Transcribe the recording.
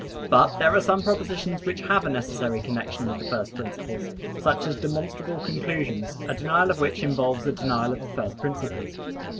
But there are some propositions which have a necessary connection with the first principles: such as demonstrable conclusions, a denial of which involves a denial of the first principles.